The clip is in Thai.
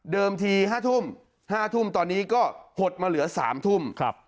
เดิมทีห้าทุ่มห้าทุ่มตอนนี้ก็หตนมาเหลือสามทุ่มครับ